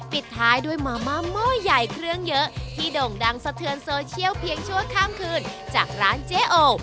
ปิดท้ายด้วยมาม่าหม้อใหญ่เครื่องเยอะที่โด่งดังสะเทือนโซเชียลเพียงชั่วข้ามคืนจากร้านเจ๊โอ